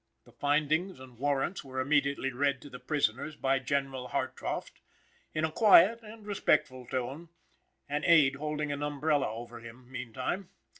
The findings and warrants were immediately read to the prisoners by General Hartrauft in a quiet and respectful tone, an aid holding an umbrella over him meantime.